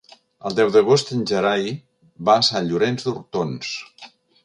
El deu d'agost en Gerai va a Sant Llorenç d'Hortons.